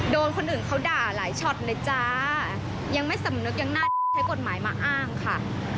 โดนคนอื่นเขาด่าหลายช็อตเลยจ้ายังไม่สำนึกยังน่าใช้กฎหมายมาอ้างค่ะ